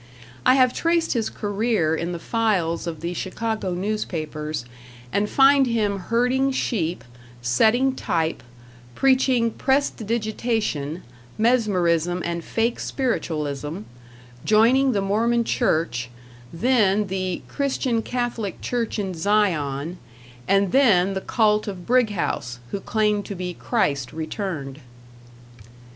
I have traced his career in the files of the Chicago newspapers, and find him herding sheep, setting type, preaching prestidigitation, mesmerism, and fake spiritualism, joining the Mormon Church, then the "Christian Catholic Church in Zion", and then the cult of Brighouse, who claimed to be Christ returned.